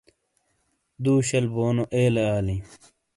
دو شل بونو ایلے آلیں